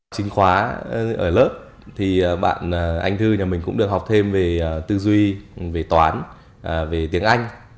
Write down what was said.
chính khóa ở lớp thì bạn anh thư nhà mình cũng được học thêm về tư duy về toán về tiếng anh